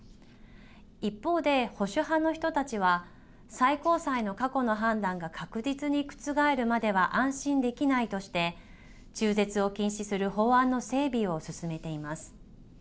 一方で保守派の人たちは最高裁の過去の判断が確実に覆るまでは安心できないとして中絶を禁止する法案の整備を進めています。